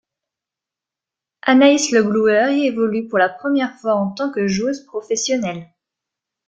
Anaïs Le Gluher y évolue pour la première fois en tant que joueuse professionnelle.